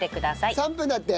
３分だって。